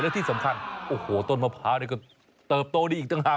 และที่สำคัญโอ้โหต้นมะพร้าวก็เติบโตดีอีกต่างหาก